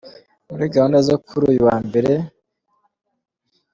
Muri gahunda zo kuri uyu wa mbere Rev.